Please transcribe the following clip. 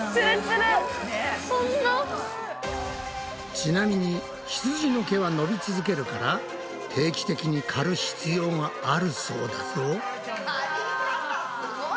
ちなみにひつじの毛は伸び続けるから定期的にかる必要があるそうだぞ。